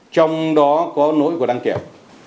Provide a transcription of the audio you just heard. trong đó có nỗi của đăng kiểm